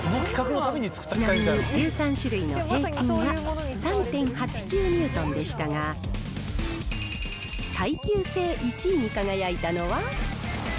ちなみに１３種類の平均は３．８９ニュートンでしたが、耐久性１位に輝いたのは。